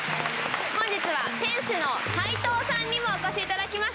本日は店主の齋藤さんにもお越しいただきました。